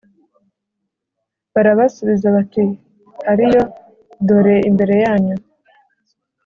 Barabasubiza bati Ari yo dore ari imbere yanyu